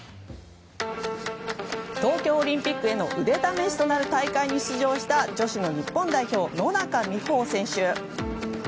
東京オリンピックへの腕試しとなる大会に出場した女子の日本代表野中生萌選手。